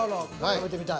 食べてみたい。